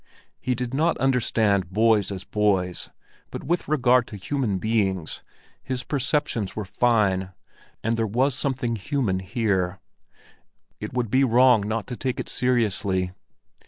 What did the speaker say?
He did not understand boys as boys, but with regard to human beings his perceptions were fine, and there was something human here; it would be wrong not to take it seriously.